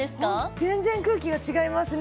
全然空気が違いますね。